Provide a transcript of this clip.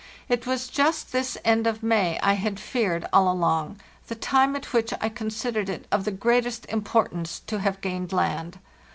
It was just this end of May I had feared all along, the time at which I considered it of the greatest importance to have gained land.